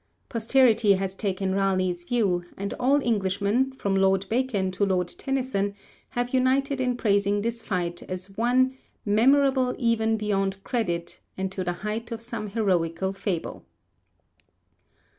Posterity has taken Raleigh's view, and all Englishmen, from Lord Bacon to Lord Tennyson, have united in praising this fight as one 'memorable even beyond credit, and to the height of some heroical fable.'